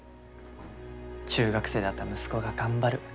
中学生だった息子が頑張る。